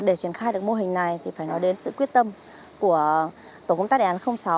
để triển khai được mô hình này thì phải nói đến sự quyết tâm của tổ công tác đề án sáu